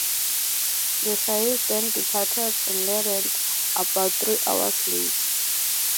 The Soyuz then departed and landed about three hours later.